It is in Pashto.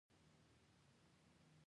تاریخ د اوږدو کلونو کچه لري.